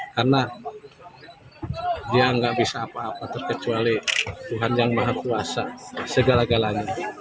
karena dia nggak bisa apa apa terkecuali tuhan yang maha kuasa segala galanya